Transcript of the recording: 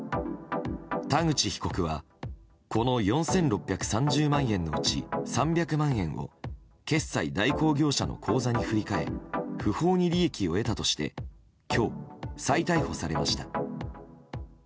田口被告はこの４６３０万円のうち３００万円を決済代行業者の口座に振り替え不法に利益を得たとして今日、再逮捕されました。